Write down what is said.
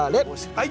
はい。